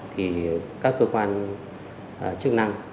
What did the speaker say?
thì các cơ quan chức năng